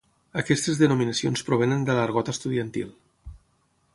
Aquestes denominacions provenen de l'argot estudiantil.